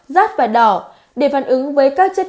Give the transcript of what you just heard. rác và đỏ để phản ứng với các chất